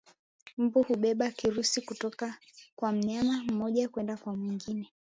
Mbu hubeba kirusi kutoka kwa mnyama mmoja kwenda kwa mwingine